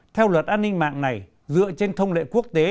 theo luật an ninh mạng này dựa trên thông lệ quốc tế